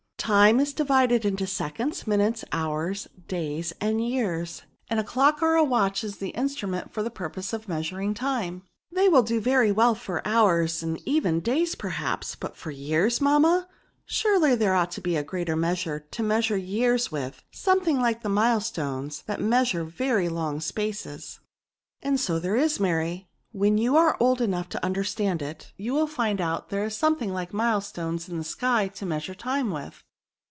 Time is divided into seconds, minutes, hours, days, and years, and a clock or a watch is an instru ment for the purpose of measuring time." "They will do very well for hours, and even for days perhaps ; but for years, mamma ! surely there ought to be a greater measure to measure years with, something like the milestones, that measure very long spaces.*' And so there is, Mary ; when you are old enough to understand it, you will find that there is something like milestones in the sky to measure time with."